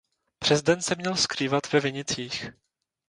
Přes den se měl skrývat ve vinicích.